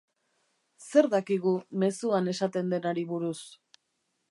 Zer dakigu mezuan esaten denari buruz?